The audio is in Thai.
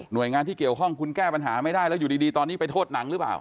โดยงานที่เกี่ยวข้องคุณแก้ปัญหาไม่ได้แล้วอยู่ดีตอนนี้ไปโทษหนังหรือเปล่า